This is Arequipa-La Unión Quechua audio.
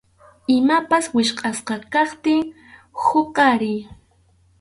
Imapas wichqʼasqa kaptin huqariy.